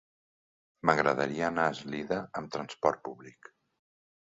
M'agradaria anar a Eslida amb transport públic.